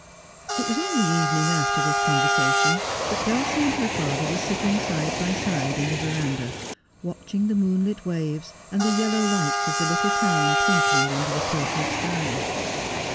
It was on the evening after this conversation that Dulcie and her father were sitting side by side in the verandah, watching the moonlit waves, aud the yellow lights of the little town twinkling under a purple sky.